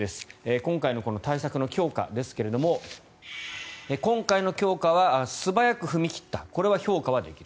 今回の対策の強化ですが今回の強化は素早く踏み切ったこれは評価はできる。